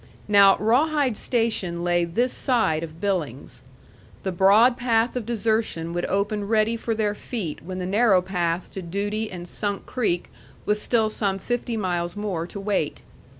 Now Rawhide station lay this side of Billings. The broad path of desertion would open ready for their feet when the narrow path to duty and Sunk Creek was still some fifty miles more to wait.